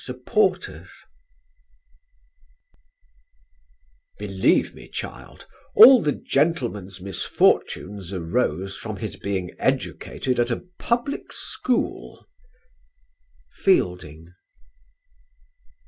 CHAPTER VII "Believe me, child, all the gentleman's misfortunes arose from his being educated at a public school...." FIELDING.